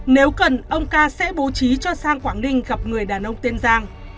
nếu cần ông ca sẽ bố trí cho giang quảng ninh gặp người đàn ông tên giang